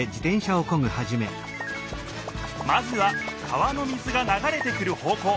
まずは川の水がながれてくる方こう。